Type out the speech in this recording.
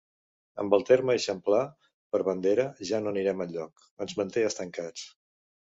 Amb el terme ‘eixamplar’ per bandera ja no anirem enlloc, ens manté estancats.